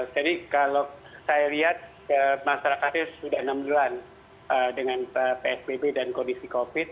jadi kalau saya lihat masyarakatnya sudah enam bulan dengan psbb dan kondisi covid sembilan belas